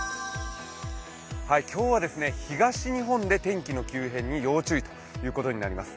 今日は東日本で天気の急変に要注意ということになります。